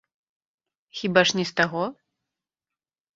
Хіба ж не з таго?